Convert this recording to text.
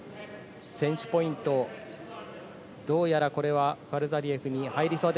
先取ポイント、どうやらこれはファルザリエフに入りそうで。